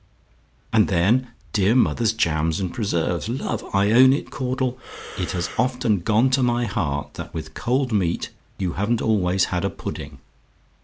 "And then dear mother's jams and preserves, love! I own it, Caudle; it has often gone to my heart that with cold meat you haven't always had a pudding.